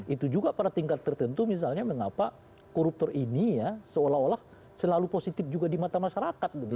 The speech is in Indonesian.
itu juga pada tingkat tertentu misalnya mengapa koruptor ini ya seolah olah selalu positif juga di mata masyarakat